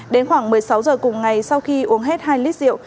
đến khoảng một mươi sáu giờ cùng ngày sau khi uống hết hai lít rượu